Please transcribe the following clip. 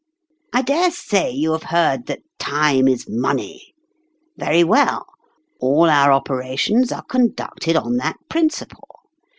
I dare say you have heard that 'Time is money?' Yery well, all our operations are conducted on that principle.